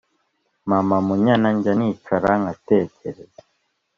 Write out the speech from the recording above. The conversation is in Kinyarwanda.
mama munyana njya nicara ngatekereza